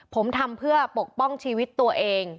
ผมทำเพื่อปกป้องชีวิตตัวเอง